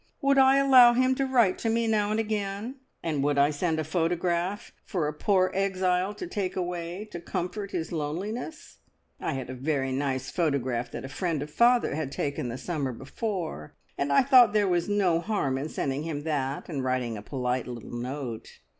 Would I allow him to write to me now and again, and would I send a photograph for a poor exile to take away to comfort his loneliness? I had a very nice photograph that a friend of father had taken the summer before, and I thought there was no harm in sending him that, and writing a polite little note.